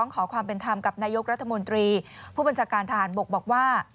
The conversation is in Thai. ขอความเป็นธรรมกับนายกรัฐมนตรีผู้บัญชาการทหารบกบอกว่า